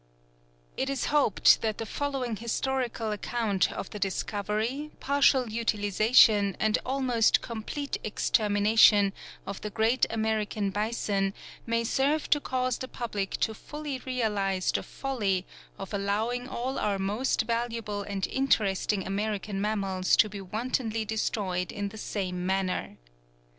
It is hoped that the following historical account of the discovery, partial utilization, and almost complete extermination of the great American bison may serve to cause the public to fully realize the folly of allowing all our most valuable and interesting American mammals to be wantonly destroyed in the same manner.